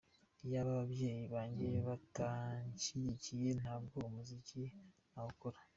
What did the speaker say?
Iyaba ababyeyi banjye batanshyigikiye ntabwo umuziki nawukora.